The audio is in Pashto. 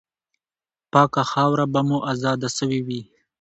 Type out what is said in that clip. پاکه خاوره به مو آزاده سوې وي.